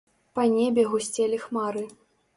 Па небе гусцелі хмары.